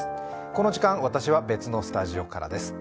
この時間、私は別のスタジオからです。